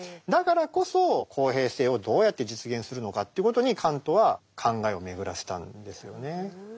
だからこそ公平性をどうやって実現するのかという事にカントは考えを巡らせたんですよね。